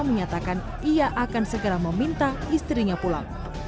menyatakan ia akan segera meminta istrinya pulang